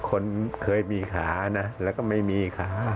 คนเคยมีขานะแล้วก็ไม่มีขา